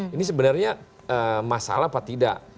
ini sebenarnya masalah apa tidak